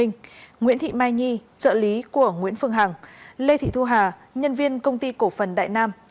nguyễn thị mai nhi trợ lý của nguyễn phương hằng lê thị thu hà nhân viên công ty cổ phần đại nam